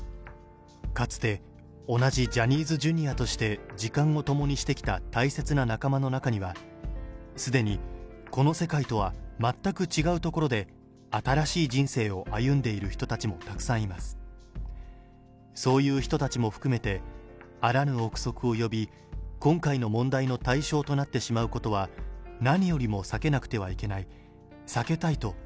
かつて同じジャニーズＪｒとして時間を共にしてきた大切な仲間の中には、すでにこの世界とは全く違う所で、そういう人たちも含めて、あらぬ臆測を呼び、今回の問題の対象となってしまうことは何よりもさけなくてはいけない、避けたいと。